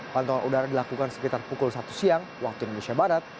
pantauan udara dilakukan sekitar pukul satu siang waktu indonesia barat